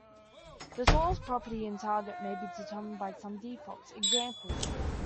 The source, property and target may be determined by some defaults, e.g.